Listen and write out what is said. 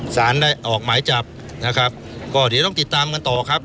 สารได้ออกหมายจับนะครับก็เดี๋ยวต้องติดตามกันต่อครับ